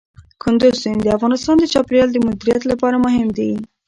کندز سیند د افغانستان د چاپیریال د مدیریت لپاره مهم دي.